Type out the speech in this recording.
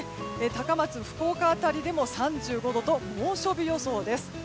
高松、福岡辺りでも３５度と猛暑日予想です。